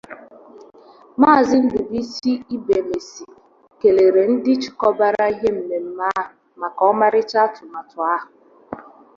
Maazị Ndubuisi Ibemesi kelere ndị chịkọbara ihe mmemme ahụ maka ọmarịcha atụmatụ ahụ